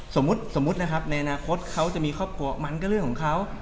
สมมุตินะครับในอนาคตเขาจะมีครอบครัวมันก็เรื่องของเขา